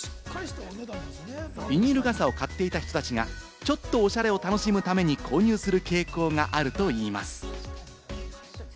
ビニール傘を買っていた人たちが、ちょっとオシャレを楽しむために購入する傾向があるといいます。